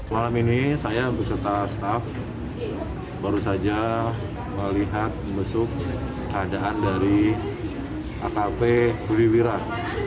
malam ini saya berserta staff baru saja melihat mesuk keadaan dari akp rudy wiradi